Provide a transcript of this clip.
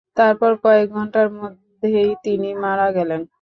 তারপর কয়েক ঘণ্টার মধ্যেই তিনি মারা গেলেন।